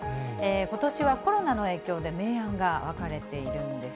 ことしはコロナの影響で明暗が分かれているんです。